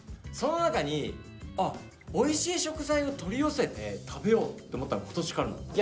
その中に「あおいしい食材を取り寄せて食べよう」って思ったのが今年からなの。